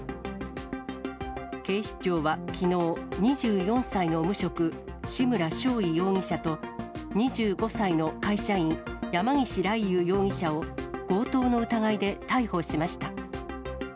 警視庁はきのう、２４歳の無職、志村尚緯容疑者と、２５歳の会社員、山岸莉夕容疑者を強盗の疑いで逮捕しました。